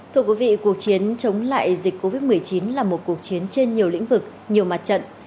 thưa quý vị cuộc chiến chống lại dịch covid một mươi chín là một cuộc chiến trên nhiều lĩnh vực nhiều mặt trận